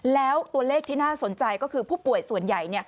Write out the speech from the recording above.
แล้วตัวเลขที่น่าสนใจก็คือผู้ป่วยส่วนใหญ่